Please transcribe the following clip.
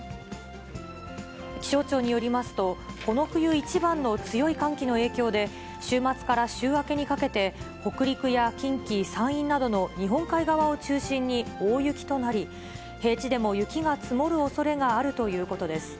気象庁によりますと、この冬一番の強い寒気の影響で、週末から週明けにかけて、北陸や近畿、山陰などの日本海側を中心に、大雪となり、平地でも雪が積もるおそれがあるということです。